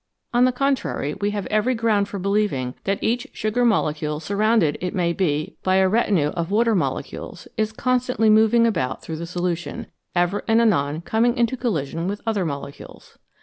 On the contrary, we have every ground for believing that each sugar molecule, surrounded, it may be, by a retinue of water molecules, is constantly moving about through the solution, ever and anon coming into collision with other molecules.